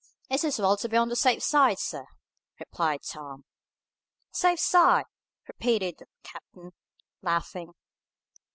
"It's as well to be on the safe side, sir," replied Tom. "Safe side!" repeated the captain, laughing.